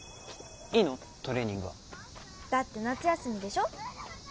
トレーニングはだって夏休みでしょ